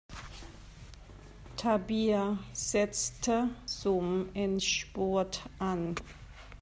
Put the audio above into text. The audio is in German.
Tabea setzte zum Endspurt an.